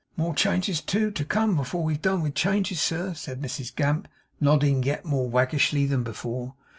'More changes too, to come, afore we've done with changes, sir,' said Mrs Gamp, nodding yet more waggishly than before.